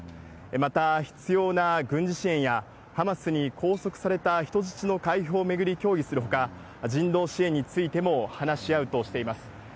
また必要な軍事支援やハマスに拘束された人質の解放を巡り協議するほか、人道支援についても話し合うとしています。